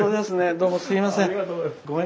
どうもすいません。